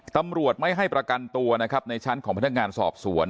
ตำรวจไม่ให้ประกันตัวนะครับในชั้นของพนักงานสอบสวน